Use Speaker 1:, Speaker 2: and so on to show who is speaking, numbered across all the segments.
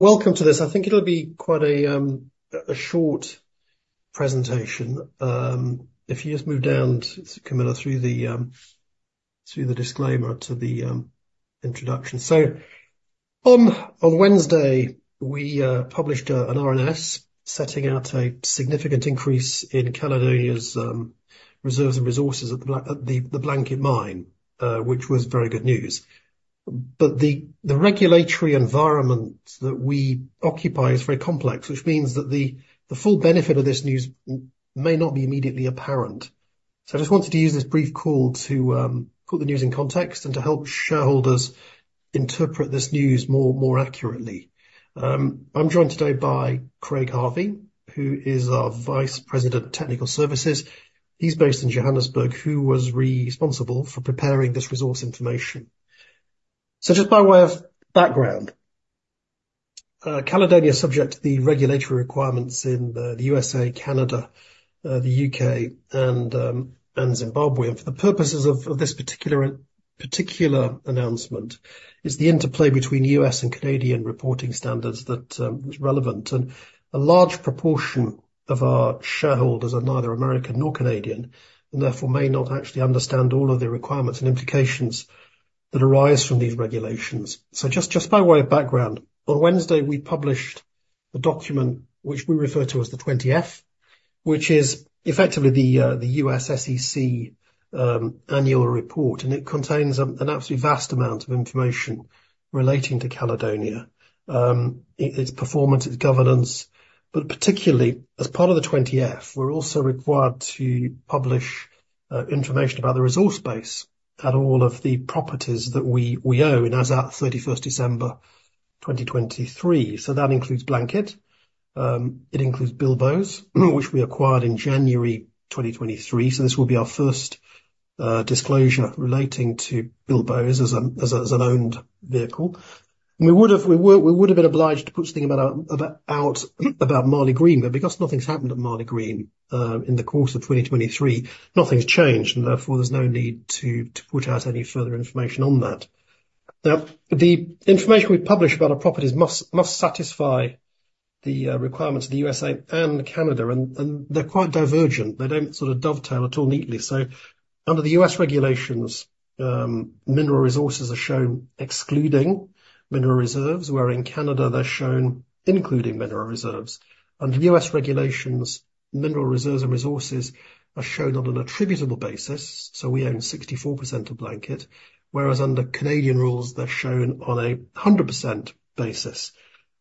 Speaker 1: Welcome to this. I think it'll be quite a short presentation. If you just move down, Camilla, through the disclaimer to the introduction. So on Wednesday, we published an RNS, setting out a significant increase in Caledonia's reserves and resources at the Blanket Mine, which was very good news. But the regulatory environment that we occupy is very complex, which means that the full benefit of this news may not be immediately apparent. So I just wanted to use this brief call to put the news in context and to help shareholders interpret this news more accurately. I'm joined today by Craig Harvey, who is our Vice President of Technical Services. He's based in Johannesburg, who was responsible for preparing this resource information. So just by way of background, Caledonia is subject to the regulatory requirements in the USA, Canada, the U.K., and Zimbabwe. And for the purposes of this particular announcement, it is the interplay between U.S. and Canadian reporting standards that is relevant. And a large proportion of our shareholders are neither American nor Canadian, and therefore may not actually understand all of the requirements and implications that arise from these regulations. So just by way of background, on Wednesday, we published a document which we refer to as the 20-F, which is effectively the U.S. SEC annual report, and it contains an absolutely vast amount of information relating to Caledonia. Its performance, its governance, but particularly as part of the 20-F, we're also required to publish information about the resource base at all of the properties that we own, and as at 31st December 2023. So that includes Blanket. It includes Bilboes, which we acquired in January 2023, so this will be our first disclosure relating to Bilboes as an owned vehicle. We would've been obliged to put something about Maligreen, but because nothing's happened at Maligreen in the course of 2023, nothing's changed, and therefore, there's no need to put out any further information on that. Now, the information we publish about our properties must satisfy the requirements of the USA and Canada, and they're quite divergent. They don't sort of dovetail at all neatly. So under the U.S. regulations, mineral resources are shown excluding mineral reserves, where in Canada they're shown including mineral reserves. Under the U.S. regulations, mineral reserves and resources are shown on an attributable basis, so we own 64% of Blanket, whereas under Canadian rules, they're shown on a 100% basis.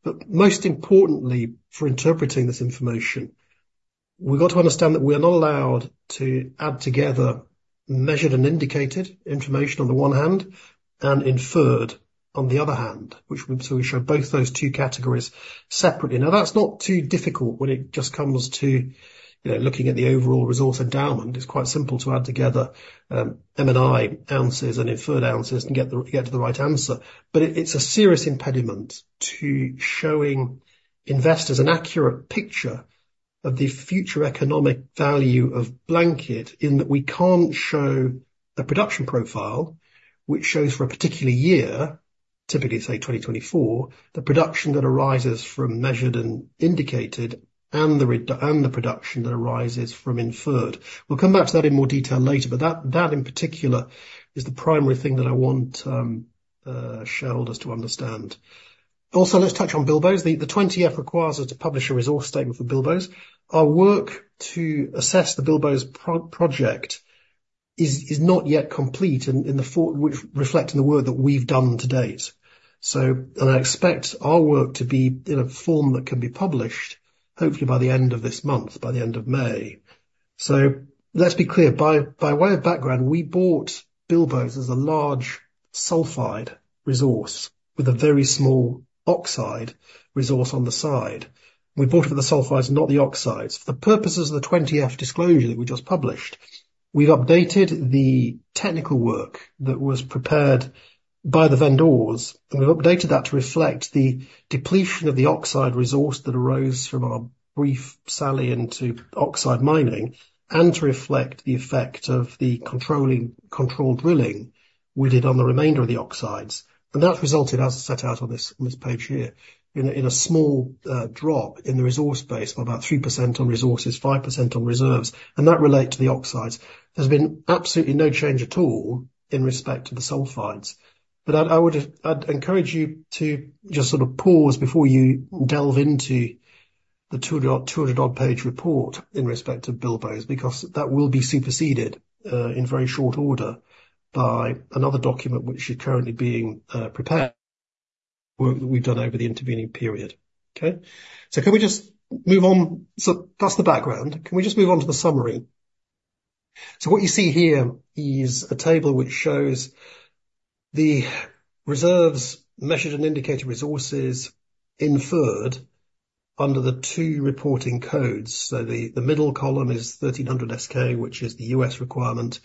Speaker 1: But most importantly, for interpreting this information, we've got to understand that we are not allowed to add together, measured and indicated information on the one hand, and inferred on the other hand, so we show both those two categories separately. Now, that's not too difficult when it just comes to, you know, looking at the overall resource endowment. It's quite simple to add together, M&I ounces and inferred ounces and get to the right answer. But it's a serious impediment to showing investors an accurate picture of the future economic value of Blanket, in that we can't show the production profile, which shows for a particular year, typically, say, 2024, the production that arises from measured and indicated, and the production that arises from inferred. We'll come back to that in more detail later, but that in particular is the primary thing that I want shareholders to understand. Also, let's touch on Bilboes. The Form 20-F requires us to publish a resource statement for Bilboes. Our work to assess the Bilboes project is not yet complete, and in the Form 20-F reflecting the work that we've done to date. And I expect our work to be in a form that can be published, hopefully by the end of this month, by the end of May. So let's be clear, by way of background, we bought Bilboes as a large sulfide resource with a very small oxide resource on the side. We bought it for the sulfides, not the oxides. For the purposes of the 20-F disclosure that we just published, we've updated the technical work that was prepared by the vendors, and we've updated that to reflect the depletion of the oxide resource that arose from our brief foray into oxide mining, and to reflect the effect of the controlled drilling we did on the remainder of the oxides. And that's resulted, as set out on this page here, in a small drop in the resource base of about 3% on resources, 5% on reserves, and that relate to the oxides. There's been absolutely no change at all in respect to the sulfides. But I would, I'd encourage you to just sort of pause before you delve into the 200-odd page report in respect of Bilboes, because that will be superseded in very short order by another document, which is currently being prepared. Work that we've done over the intervening period. Okay? So can we just move on? So that's the background. Can we just move on to the summary? So what you see here is a table which shows the reserves, measured and indicated resources, inferred under the two reporting codes. So the middle column is S-K 1300, which is the U.S. requirement.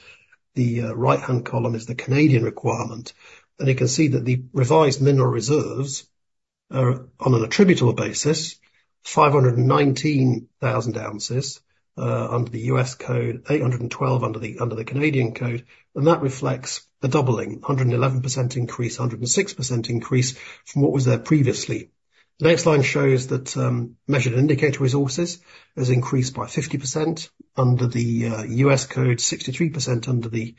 Speaker 1: The right-hand column is the Canadian requirement, and you can see that the revised mineral reserves are, on an attributable basis, 519,000 ounces under the U.S. code, 812 under the Canadian code, and that reflects the doubling. 111% increase, 106% increase from what was there previously. The next line shows that measured and indicated resources has increased by 50% under the U.S. code, 63% under the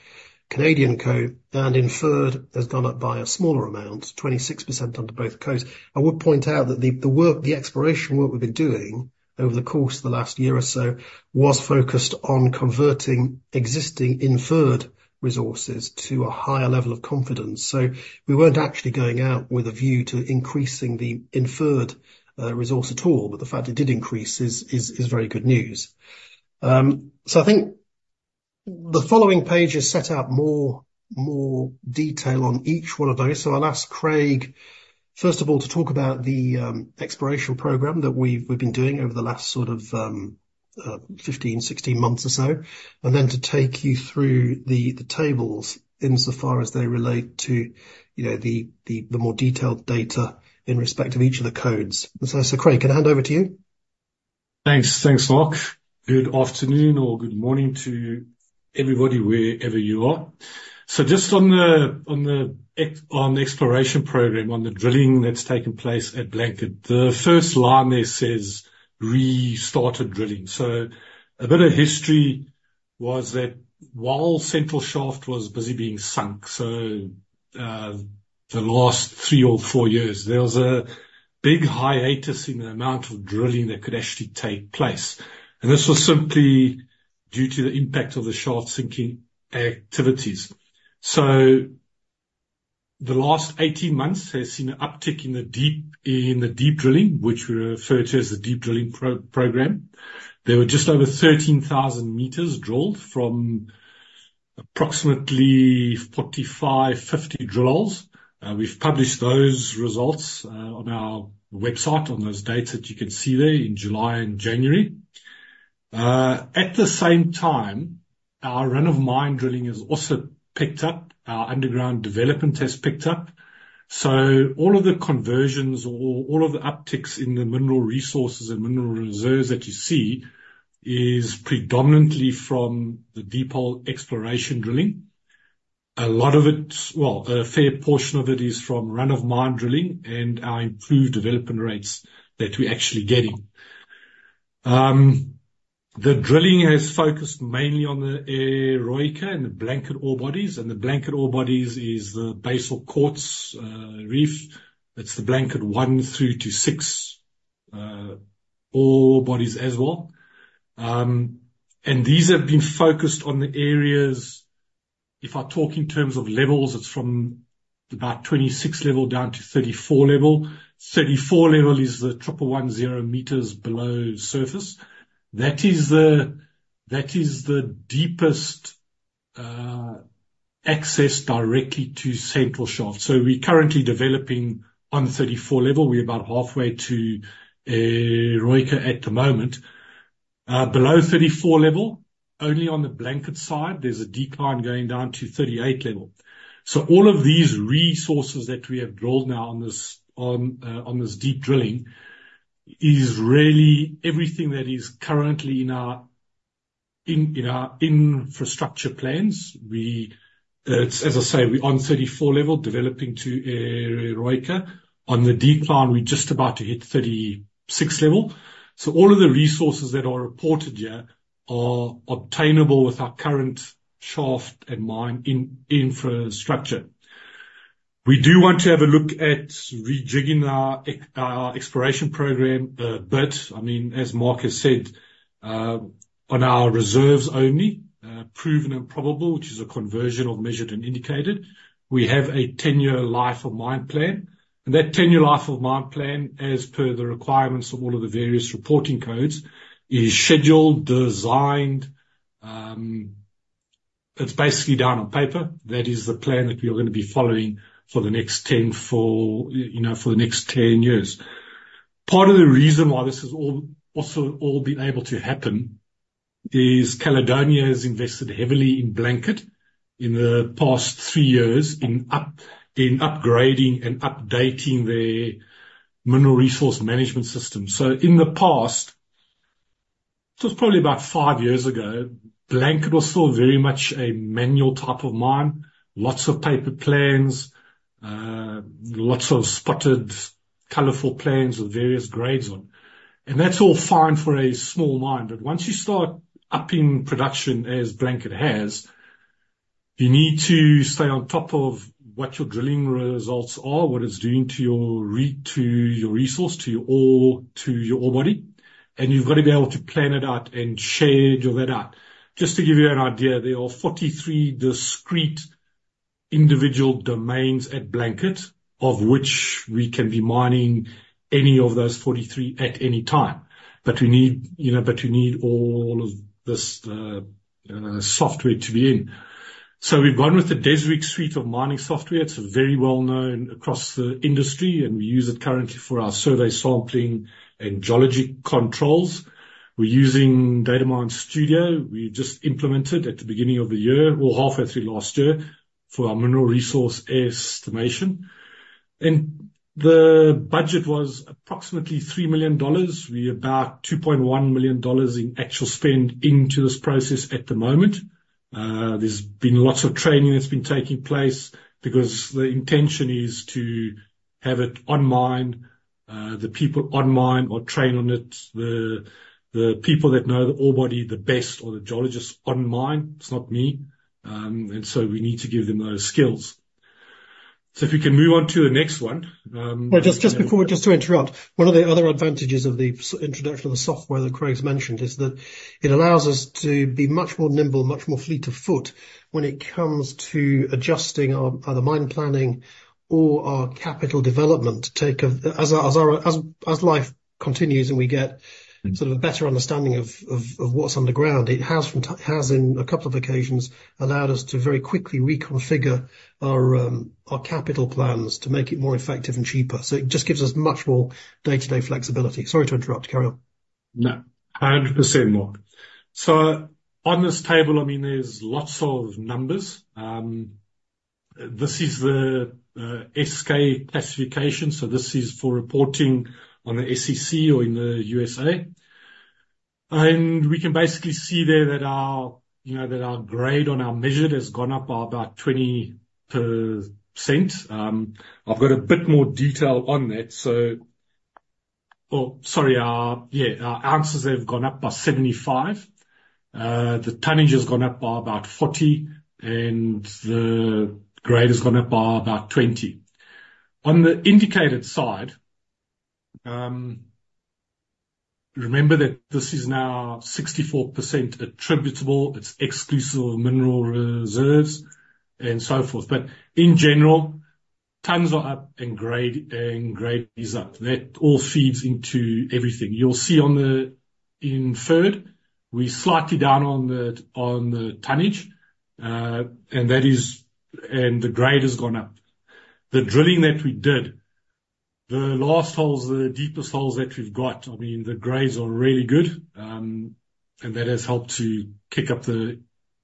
Speaker 1: Canadian code, and inferred has gone up by a smaller amount, 26% under both codes. I would point out that the work, the exploration work we've been doing over the course of the last year or so, was focused on converting existing inferred resources to a higher level of confidence. So we weren't actually going out with a view to increasing the inferred resource at all, but the fact it did increase is very good news. So I think the following page has set out more detail on each one of those. So I'll ask Craig, first of all, to talk about the exploration program that we've been doing over the last sort of 15, 16 months or so, and then to take you through the tables in so far as they relate to, you know, the more detailed data in respect of each of the codes. So, Craig, can I hand over to you?
Speaker 2: Thanks. Thanks, Mark. Good afternoon or good morning to everybody, wherever you are. So just on the exploration program, on the drilling that's taken place at Blanket, the first line there says, we started drilling. So a bit of history was that while central shaft was busy being sunk, so, the last three or four years, there was a big hiatus in the amount of drilling that could actually take place. And this was simply due to the impact of the shaft sinking activities. So the last 18 months has seen an uptick in the deep drilling, which we refer to as the deep drilling program. There were just over 13,000 meters drilled from approximately 45-50 drills. We've published those results on our website on those dates that you can see there in July and January. At the same time, our run-of-mine drilling has also picked up, our underground development has picked up. So all of the conversions or all of the upticks in the mineral resources and mineral reserves that you see is predominantly from the deep hole exploration drilling. A lot of it, well, a fair portion of it is from run-of-mine drilling and our improved development rates that we're actually getting. The drilling is focused mainly on the Eroica and the Blanket ore bodies, and the Blanket ore bodies is the Basal Quartz Reef. It's the Blanket one through to six ore bodies as well. And these have been focused on the areas, if I talk in terms of levels, it's from about 26 level down to 34 level. 34 level is the 1,110 meters below surface. That is the, that is the deepest access directly to central shaft. So we're currently developing on the 34 level. We're about halfway to Eroica at the moment. Below 34 level, only on the Blanket side, there's a decline going down to 38 level. So all of these resources that we have drilled now on this, on this deep drilling, is really everything that is currently in our infrastructure plans. We, as I say, we're on 34 level, developing to Eroica. On the decline, we're just about to hit 36 level. So all of the resources that are reported here are obtainable with our current shaft and mine infrastructure. We do want to have a look at rejigging our exploration program, but I mean, as Mark has said, on our reserves only, proven and probable, which is a conversion of measured and indicated. We have a 10-year life of mine plan, and that 10-year life of mine plan, as per the requirements of all of the various reporting codes, is scheduled, designed, it's basically down on paper. That is the plan that we are gonna be following for the next 10, you know, for the next 10 years. Part of the reason why this has all also been able to happen is Caledonia has invested heavily in Blanket in the past 3 years, in upgrading and updating their mineral resource management system. So in the past, so it's probably about five years ago, Blanket was still very much a manual type of mine. Lots of paper plans, lots of spotted colorful plans with various grades on. And that's all fine for a small mine, but once you start upping production as Blanket has, you need to stay on top of what your drilling results are, what it's doing to your resource, to your ore, to your ore body, and you've got to be able to plan it out and schedule that out. Just to give you an idea, there are 43 discrete individual domains at Blanket, of which we can be mining any of those 43 at any time. But we need, you know, but we need all of this, software to be in. So we've gone with the Deswik suite of mining software. It's very well known across the industry, and we use it currently for our survey sampling and geology controls. We're using Datamine Studio. We just implemented at the beginning of the year or halfway through last year for our mineral resource estimation. And the budget was approximately $3 million. We're about $2.1 million in actual spend into this process at the moment. There's been lots of training that's been taking place, because the intention is to have it on mine, the people on mine are trained on it. The people that know the ore body the best or the geologists on mine, it's not me, and so we need to give them those skills. So if we can move on to the next one.
Speaker 1: Well, just before, just to interrupt. One of the other advantages of the introduction of the software that Craig's mentioned is that it allows us to be much more nimble, much more fleet of foot when it comes to adjusting our, either mine planning or our capital development. As our life continues and we get sort of a better understanding of what's on the ground, it has, in a couple of occasions, allowed us to very quickly reconfigure our capital plans to make it more effective and cheaper. So it just gives us much more day-to-day flexibility. Sorry to interrupt. Carry on.
Speaker 2: No, 100%, Mark. So on this table, I mean, there's lots of numbers. This is the S-K classification, so this is for reporting on the SEC or in the USA. And we can basically see there that our, you know, that our grade on our measured has gone up by about 20%. I've got a bit more detail on that, so. Oh, sorry, our, yeah, our ounces have gone up by 75. The tonnage has gone up by about 40, and the grade has gone up by about 20. On the indicated side, remember that this is now 64% attributable. It's exclusive of mineral reserves and so forth. But in general, tonnes are up, and grade, and grade is up. That all feeds into everything. You'll see on the, in inferred, we're slightly down on the, on the tonnage, and that is and the grade has gone up. The drilling that we did, the last holes, the deepest holes that we've got, I mean, the grades are really good, and that has helped to kick up the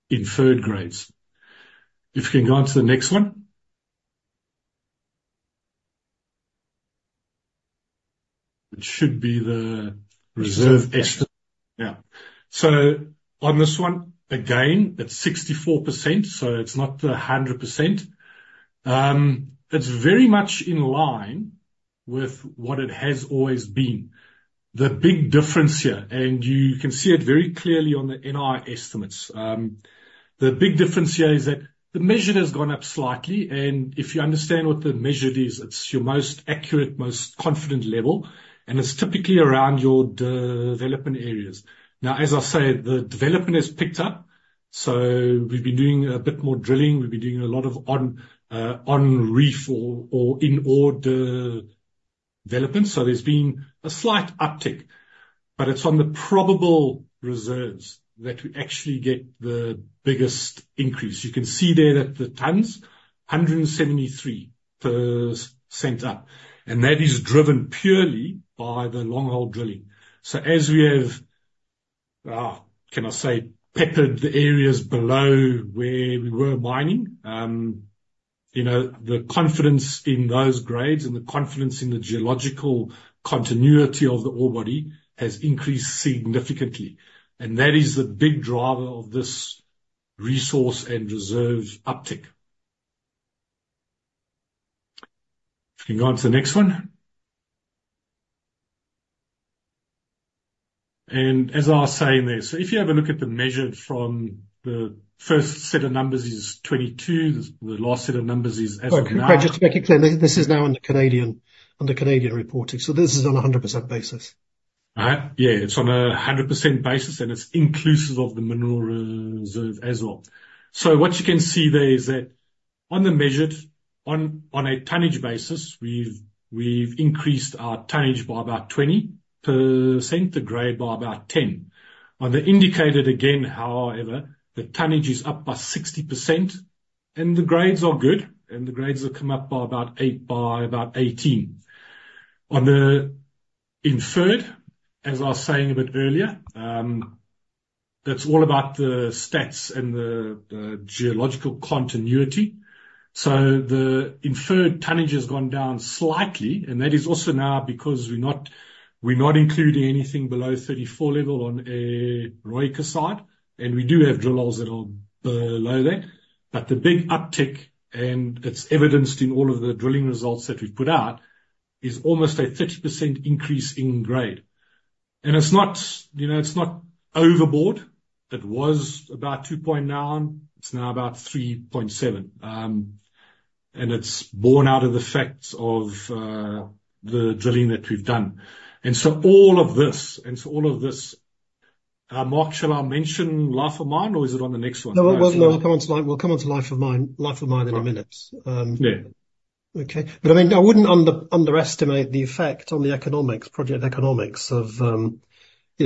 Speaker 2: inferred grades. If you can go on to the next one. It should be the reserve estimate. Yeah. So on this one, again, it's 64%, so it's not 100%. It's very much in line with what it has always been. The big difference here, and you can see it very clearly on the NI estimates, the big difference here is that the measured has gone up slightly, and if you understand what the measured is, it's your most accurate, most confident level, and it's typically around your development areas. Now, as I said, the development has picked up, so we've been doing a bit more drilling. We've been doing a lot of on reef or in ore development. So there's been a slight uptick, but it's on the probable reserves that we actually get the biggest increase. You can see there that the tonnes 173% up, and that is driven purely by the long hole drilling. So as we have, can I say, peppered the areas below where we were mining, you know, the confidence in those grades and the confidence in the geological continuity of the ore body has increased significantly. And that is the big driver of this resource and reserves uptick. If you can go on to the next one. And as I was saying there, so if you have a look at the measured from the first set of numbers is 22. The last set of numbers is as of now-
Speaker 1: Sorry, Craig, just to make it clear, this is now on the Canadian reporting, so this is on a 100% basis.
Speaker 2: Yeah, it's on a 100% basis, and it's inclusive of the mineral reserve as well. So what you can see there is that on the measured, on a tonnage basis, we've increased our tonnage by about 20%, the grade by about 10%. On the indicated again, however, the tonnage is up by 60%, and the grades are good, and the grades have come up by about 8%, by about 18%. On the inferred, as I was saying a bit earlier, that's all about the stats and the geological continuity. So the inferred tonnage has gone down slightly, and that is also now because we're not including anything below 34 level on the Eroica side, and we do have drill holes that are below that. The big uptick, and it's evidenced in all of the drilling results that we've put out, is almost a 30% increase in grade. And it's not, you know, it's not overboard. It was about two. now on, it's now about three point seven. And it's born out of the facts of the drilling that we've done. And so all of this, and so all of this, Mark, shall I mention life of mine, or is it on the next one?
Speaker 1: No, we'll, we'll come on to mine. We'll come on to life of mine, life of mine in a minute.
Speaker 2: Yeah.
Speaker 1: Okay, but I mean, I wouldn't underestimate the effect on the economics, project economics of, you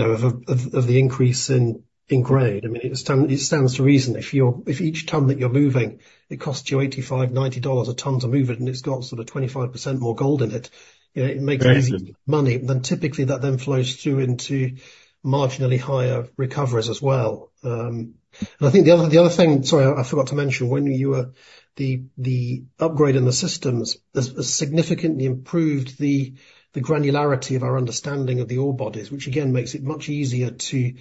Speaker 1: know, of the increase in grade. I mean, it stands to reason if each ton that you're moving, it costs you $85-$90 a ton to move it, and it's got sort of 25% more gold in it, you know, it makes easy money. Then typically, that then flows through into marginally higher recoveries as well. And I think the other thing sorry, I forgot to mention, when you were the upgrade in the systems has significantly improved the granularity of our understanding of the ore bodies, which again, makes it much easier to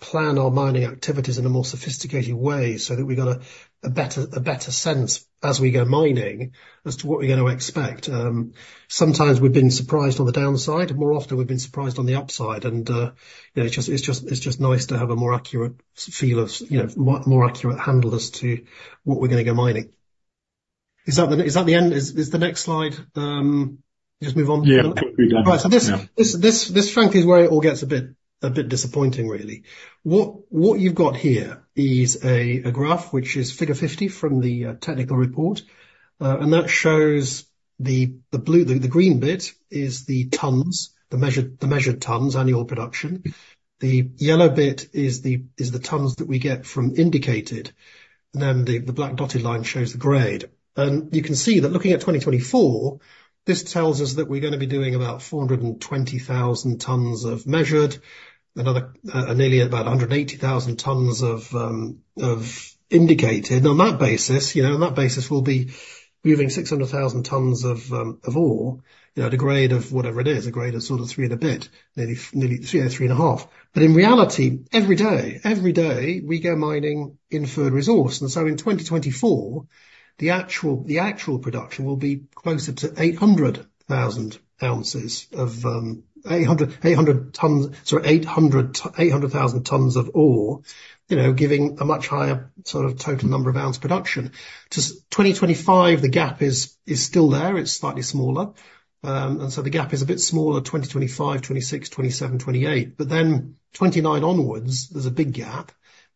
Speaker 1: plan our mining activities in a more sophisticated way, so that we've got a better sense as we go mining as to what we're going to expect. Sometimes we've been surprised on the downside. More often, we've been surprised on the upside, and, you know, it's just nice to have a more accurate feel of, you know, a more accurate handle as to what we're gonna go mining. Is that the end? Is the next slide, just move on? Yeah. Right. So this frankly is where it all gets a bit disappointing, really. What you've got here is a graph, which is figure 50 from the technical report. And that shows the green bit is the tons, the measured tons, annual production. The yellow bit is the tons that we get from indicated, and then the black dotted line shows the grade. And you can see that looking at 2024, this tells us that we're gonna be doing about 420,000 tons of measured, another nearly about 180,000 tons of indicated. On that basis, you know, on that basis, we'll be moving 600,000 tons of ore at a grade of whatever it is, a grade of sort of three and a bit, nearly, nearly three, yeah, three and a half. But in reality, every day, every day we go mining inferred resource. And so in 2024, the actual, the actual production will be closer to 800,000 ounces of, eight hundred, eight hundred tons, sorry, eight hundred, 800,000 tons of ore, you know, giving a much higher sort of total number of ounce production. To 2025, the gap is, is still there. It's slightly smaller. And so the gap is a bit smaller, 2025, 2026, 2027, 2028. But then 2029 onwards, there's a big gap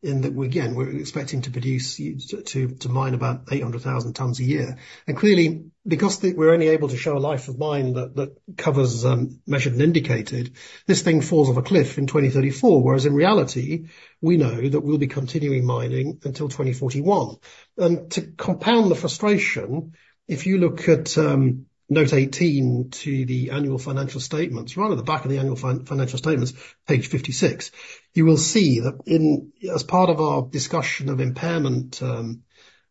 Speaker 1: in that we again, we're expecting to produce, to mine about 800,000 tons a year. And clearly, because we're only able to show a life of mine that covers Measured and Indicated, this thing falls off a cliff in 2034, whereas in reality, we know that we'll be continuing mining until 2041. To compound the frustration, if you look at note 18 to the annual financial statements, right at the back of the annual financial statements, page 56, you will see that in, as part of our discussion of impairment,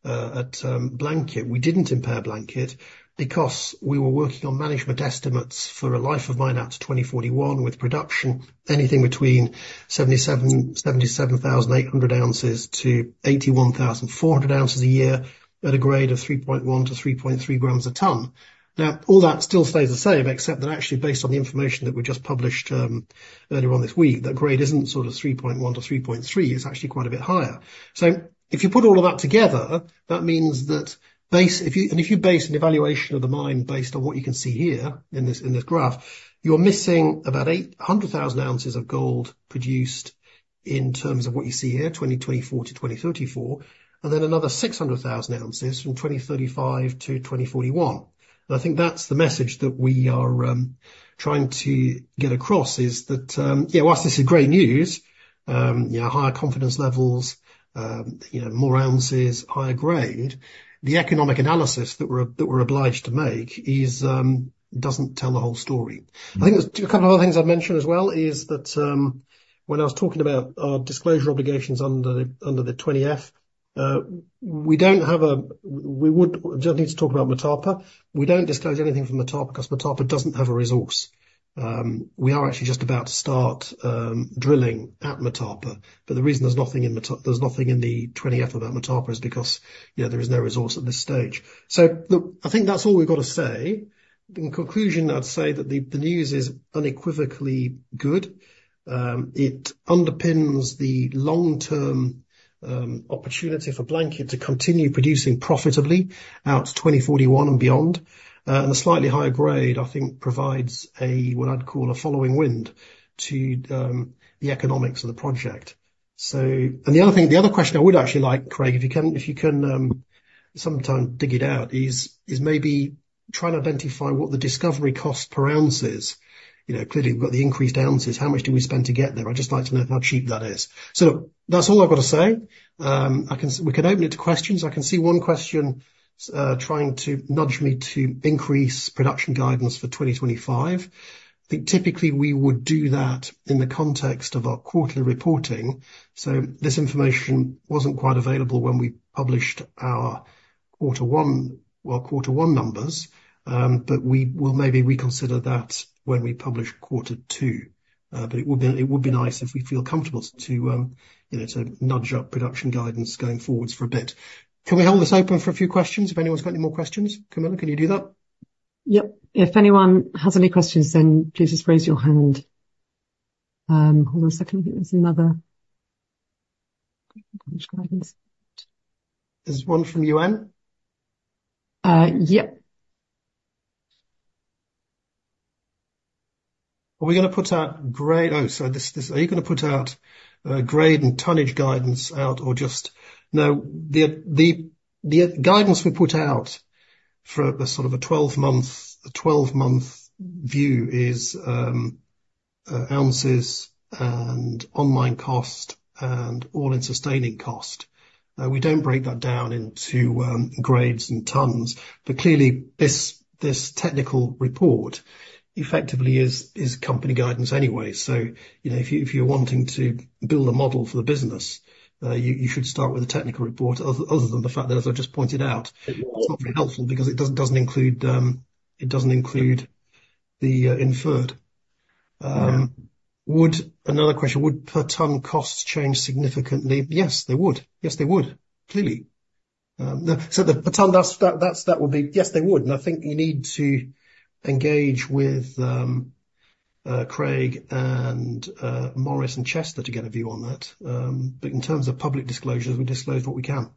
Speaker 1: at Blanket, we didn't impair Blanket because we were working on management estimates for a life of mine out to 2041, with production anything between 77,800 ounces to 81,400 ounces a year at a grade of 3.1 to 3.3 grams a ton. Now, all that still stays the same, except that actually, based on the information that we just published earlier on this week, that grade isn't sort of 3.1 to 3.3, it's actually quite a bit higher. So if you put all of that together, that means that if you base an evaluation of the mine, based on what you can see here in this graph, you're missing about 800,000 ounces of gold produced in terms of what you see here, 2024 to 2034, and then another 600,000 ounces from 2035 to 2041. And I think that's the message that we are trying to get across, is that you know, whilst this is great news, you know, higher confidence levels, you know, more ounces, higher grade. The economic analysis that we're obliged to make is doesn't tell the whole story. I think there's a couple other things I'd mention as well, is that, when I was talking about our disclosure obligations under the, under the 20-F, we don't have a—we would definitely talk about Motapa. We don't disclose anything from Motapa because Motapa doesn't have a resource. We are actually just about to start, drilling at Motapa, but the reason there's nothing in Motapa there's nothing in the 20-F about Motapa is because, you know, there is no resource at this stage. So look, I think that's all we've got to say. In conclusion, I'd say that the, the news is unequivocally good. It underpins the long-term, opportunity for Blanket to continue producing profitably out to 2041 and beyond. And the slightly higher grade, I think, provides a what I'd call a following wind to the economics of the project. So. And the other thing, the other question I would actually like, Craig, if you can sometime dig it out, is maybe try and identify what the discovery cost per ounce is. You know, clearly, we've got the increased ounces. How much do we spend to get there? I'd just like to know how cheap that is. So look, that's all I've got to say. We can open it to questions. I can see one question trying to nudge me to increase production guidance for 2025. I think typically, we would do that in the context of our quarterly reporting, so this information wasn't quite available when we published our quarter one, well, quarter one numbers. But we will maybe reconsider that when we publish quarter two. But it would be, it would be nice if we feel comfortable to, you know, to nudge up production guidance going forwards for a bit. Can we hold this open for a few questions, if anyone's got any more questions? Camilla, can you do that?
Speaker 3: Yep. If anyone has any questions, then please just raise your hand. Hold on a second. There's another-
Speaker 1: There's one from Euan?
Speaker 3: Uh, yep.
Speaker 1: Are we gonna put out grade? Oh, so this, are you gonna put out grade and tonnage guidance out, or just- No, the guidance we put out for the sort of a 12-month view is ounces and online cost and all-in sustaining cost. We don't break that down into grades and tons. But clearly, this technical report effectively is company guidance anyway. So you know, if you're wanting to build a model for the business, you should start with a technical report other than the fact that as I've just pointed out, it's not very helpful, because it doesn't include the inferred. Another question: Would per ton costs change significantly? Yes, they would. Yes, they would, clearly. So the ton, that would be Yes, they would. And I think you need to engage with Craig and Maurice and Chester to get a view on that. But in terms of public disclosures, we disclose what we can.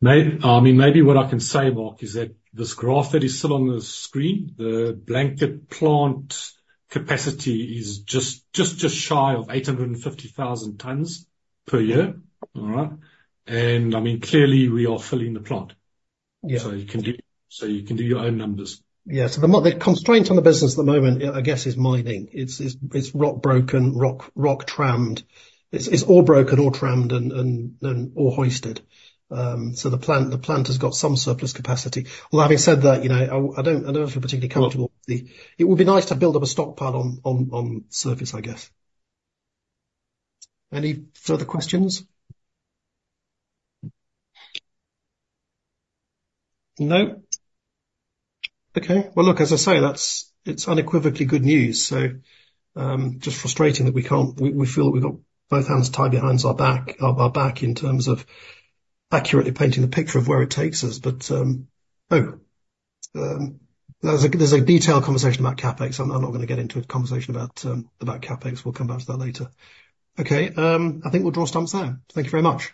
Speaker 2: Maybe what I can say, Mark, is that this graph that is still on the screen, the Blanket plant capacity is just shy of 850,000 tons per year. All right? And I mean, clearly, we are filling the plant.
Speaker 1: Yeah.
Speaker 2: So you can do your own numbers.
Speaker 1: Yeah. So the constraint on the business at the moment, I guess, is mining. It's rock broken, rock trammed. It's all broken or trammed and all hoisted. So the plant has got some surplus capacity. Well, having said that, you know, I don't feel particularly comfortable with the It would be nice to build up a stockpile on surface, I guess. Any further questions? No. Okay. Well, look, as I say, that's. It's unequivocally good news, so just frustrating that we can't. We feel that we've got both hands tied behind our back in terms of accurately painting the picture of where it takes us. But there's a detailed conversation about CapEx. I'm not gonna get into a conversation about CapEx. We'll come back to that later. Okay, I think we'll draw stumps there. Thank you very much.